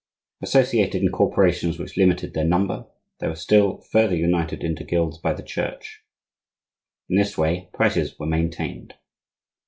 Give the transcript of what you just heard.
Associated in corporations which limited their number, they were still further united into guilds by the Church. In this way prices were maintained.